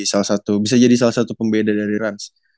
salah satu bisa jadi salah satu pembeda dari rans